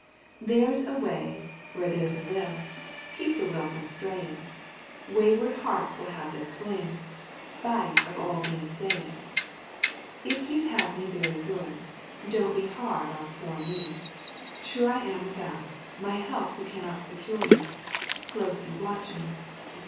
There's a way where there's a will: Keep the will from straying. Wayward hearts will have their fling, Spite of all gainsaying. If you'd have me very good, Don't be hard on poor me; Sure I am without, my help You can not secure me. Close you watch me, &c.